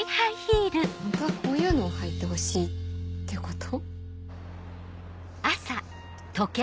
ホントはこういうのを履いてほしいってこと？